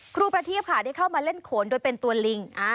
ครูประทีพค่ะได้เข้ามาเล่นโขนโดยเป็นตัวลิง